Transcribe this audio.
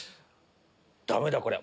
ダメだこりゃ。